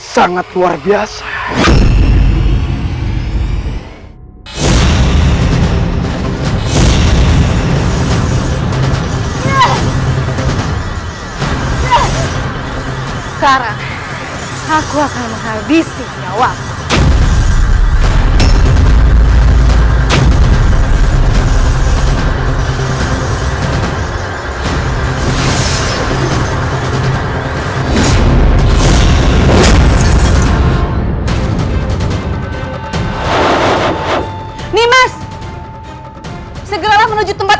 sampai jumpa di video selanjutnya